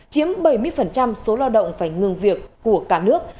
chiếm bảy mươi số lao động phải ngừng việc của cả nước